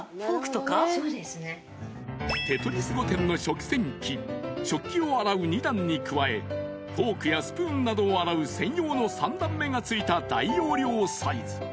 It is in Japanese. ［テトリス御殿の食洗機食器を洗う２段に加えフォークやスプーンなどを洗う専用の３段目が付いた大容量サイズ］